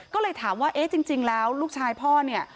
ก็เลยถามว่าเอ๊ะจริงแล้วลูกชายพ่อเนี่ย